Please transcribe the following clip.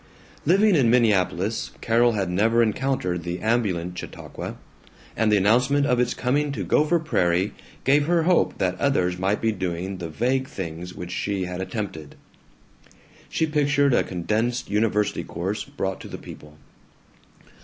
Living in Minneapolis, Carol had never encountered the ambulant Chautauqua, and the announcement of its coming to Gopher Prairie gave her hope that others might be doing the vague things which she had attempted. She pictured a condensed university course brought to the people.